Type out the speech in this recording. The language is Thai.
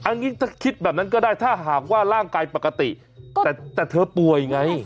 อันนี้ถ้าคิดแบบนั้นก็ได้ถ้าหากว่าร่างกายปกติแต่เธอป่วยไง